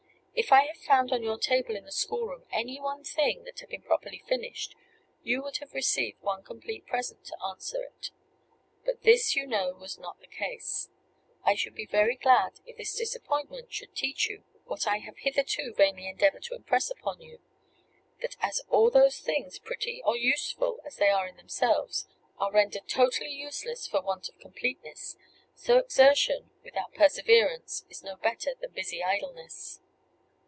If I had found on your table in the schoolroom any one thing that had been properly finished, you would have received one complete present to answer it; but this you know was not the case. I should be very glad if this disappointment should teach you what I have hitherto vainly endeavored to impress upon you that as all those things, pretty or useful as they are in themselves, are rendered totally useless for want of completeness, so exertion without perseverance is no better than busy idleness.